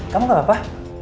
kamu gak apa